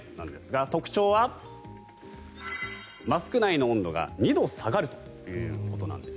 特徴はマスク内の温度が２度下がるということです。